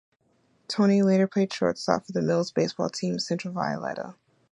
Tony later played shortstop for the Mill's baseball team, Central Violeta.